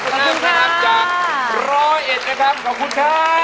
ขอบคุณค่ะขอบคุณค่ะ